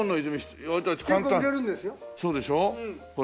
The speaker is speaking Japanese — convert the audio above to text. そうでしょこれ。